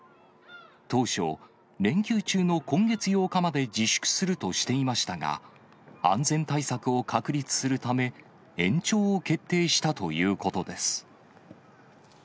当初、連休中の今月８日まで自粛するとしていましたが、安全対策を確立するため、えんちょうをけっていしたということです。